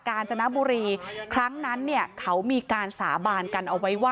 กาญจนบุรีครั้งนั้นเขามีการสาบานกัน